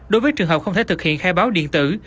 đối với trường hợp không thể thực hiện khai báo điện tử